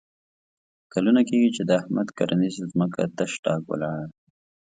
کلونه کېږي چې د احمد کرنیزه ځمکه تش ډاګ ولاړه ده.